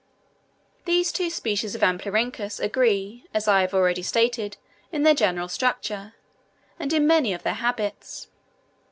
These two species of Amblyrhynchus agree, as I have already stated, in their general structure, and in many of their habits.